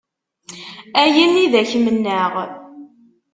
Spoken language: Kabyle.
Ayen i d ak-mennaɣ.